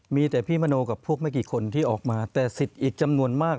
มีแต่พี่มโนกับพวกไม่กี่คนที่ออกมาแต่สิทธิ์อีกจำนวนมาก